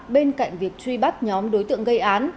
bên cạnh việc truy bắt nhóm đối tượng gây án